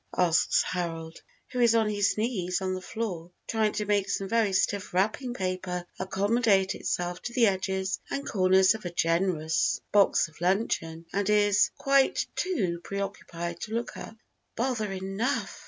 asks Harold, who is on his knees on the floor, trying to make some very stiff wrapping paper accommodate itself to the edges and corners of a generous box of luncheon, and is: quite too preoccupied to look up. "Bother enough!